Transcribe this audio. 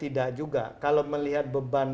tidak juga kalau melihat beban